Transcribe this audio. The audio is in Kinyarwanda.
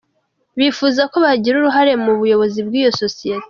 Bifuza ko bagira uruhare mu buyobozi bw’iyo sosiyete.